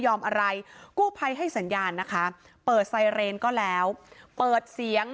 อะไรกู้ภัยให้สัญญาณนะคะเปิดไซเรนก็แล้วเปิดเสียง